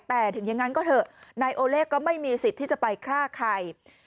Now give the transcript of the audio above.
แต่ถึงอย่างนั้นก็เถอะนายโอเล่ก็ไม่มีสิทธิ์ที่จะไปฆ่าใคร